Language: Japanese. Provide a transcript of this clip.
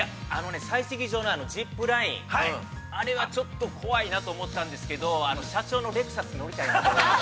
◆砕石場のジップライン、あれは怖いなと思ったんですが、社長のレクサス、乗りたいなと思って。